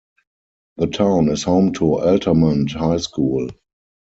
The town is home to Altamont High School.